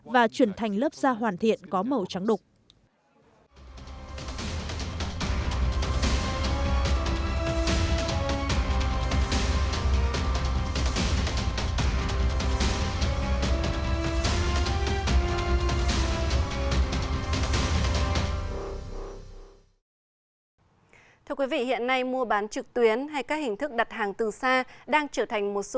và chuyển thành lớp da hoàn thiện có màu trắng đục